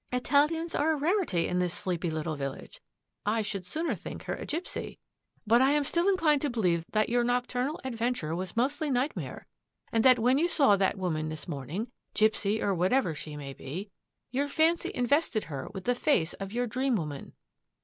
" Italians are a rarity in this sleepy lit tle village. I should sooner think her a gipsy, but \ THE DRESSING TABLE DRAWER 109 I am still inclined to believe that your nocturnal adventure was mostly nightmare and that when you saw that woman this morning, gipsy or what ever she may be, your fancy invested her with the face of your dream woman."